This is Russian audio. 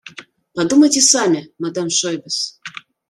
Подумайте сами, мадам Шойбес